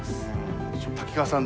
瀧川さん